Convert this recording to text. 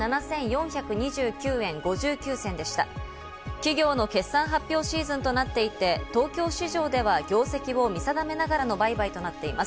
企業の決算発表シーズンとなっていて、東京市場では業績を見定めながらの売買となっています。